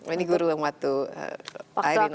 ini guru yang waktu irina ada di indonesia